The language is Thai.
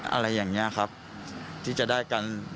อะไรอย่างนี้ครับที่จะได้กัน